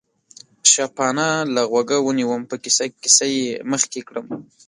شپانه له غوږه ونیوم، په کیسه کیسه یې مخکې کړم.